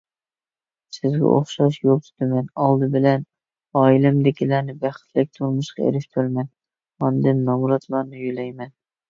سىزگە ئوخشاش يول تۇتىمەن، ئالدى بىلەن ئائىلەمدىكىلەرنى بەختلىك تۇرمۇشقا ئېرىشتۈرىمەن، ئاندىن نامراتلارنى يۆلەيمەن.